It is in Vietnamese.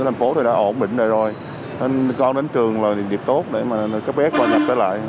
thành phố thì đã ổn định rồi con đến trường là việc tốt để mà các bé qua nhập trở lại